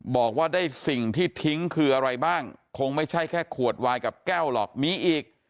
บอกว่าได้สิ่งที่ทิ้งคืออะไรบ้างคงไม่ใช่แค่ขวดวายกับแก้วหรอกมีอีก